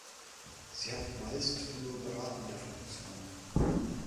Sie hatten meist nur beratende Funktion.